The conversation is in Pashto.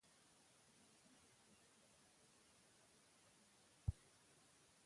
مېلې د خندا، مینوالۍ او یووالي جشنونه دي.